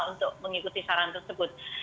untuk mengikuti saran tersebut